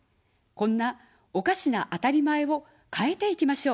こんなおかしなあたりまえを変えていきましょう。